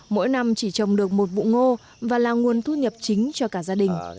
mỗi năm chỉ trồng được một vụ ngô và là nguồn thu nhập chính cho cả gia đình